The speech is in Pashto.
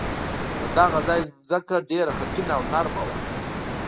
د دغه ځای ځمکه ډېره خټینه او نرمه وه.